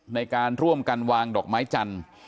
ในการร่วมกันวางดอกไม้จันทร์